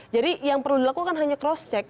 jadi yang perlu dilakukan hanya cross check